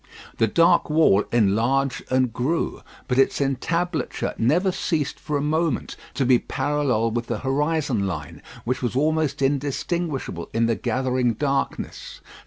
The dark wall enlarged and grew; but its entablature never ceased for a moment to be parallel with the horizon line, which was almost indistinguishable in the gathering darkness.